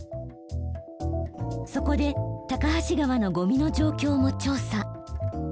そこで高梁川のゴミの状況も調査。